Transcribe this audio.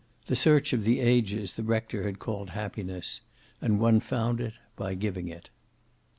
The search of the ages the rector had called happiness, and one found it by giving it.